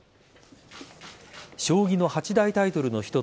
将棋の八大タイトルの一つ